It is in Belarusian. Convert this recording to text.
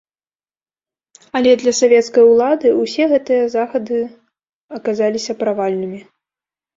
Але для савецкай улады ўсе гэтыя захады аказаліся правальнымі.